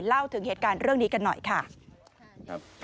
เล่าถึงเหตุการณ์เรื่องนี้กันหน่อยค่ะ